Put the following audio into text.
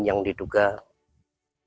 yang diduga korban